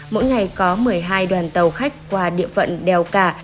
mỗi ngày có một mươi hai đoàn tàu khách qua địa phận đèo cả